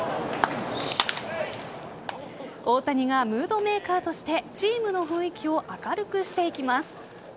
大谷がムードメーカーとしてチームの雰囲気を明るくしていきます。